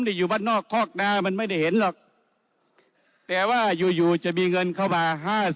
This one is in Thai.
อยู่บ้านนอกคอกนามันไม่ได้เห็นหรอกแต่ว่าอยู่อยู่จะมีเงินเข้ามาห้าแสน